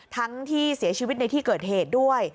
ทั้งที่เสียชีวิตในที่เกิดเหตุด้วย